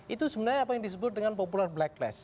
itu sebenarnya apa yang disebut dengan popular blacklist